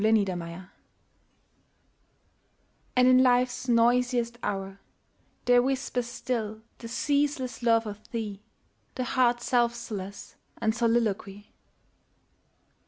25 And in Life's noisiest hour There whispers still the ceaseless love of thee, The heart's self solace } and soliloquy.